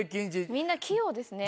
みんな器用ですね。